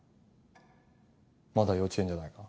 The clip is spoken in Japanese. まだ幼稚園じゃないか？